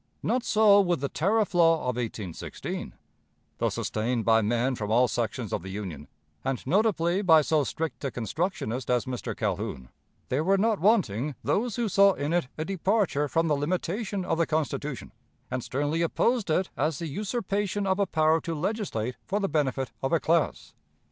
Not so with the tariff law of 1816: though sustained by men from all sections of the Union, and notably by so strict a constructionist as Mr. Calhoun, there were not wanting those who saw in it a departure from the limitation of the Constitution, and sternly opposed it as the usurpation of a power to legislate for the benefit of a class.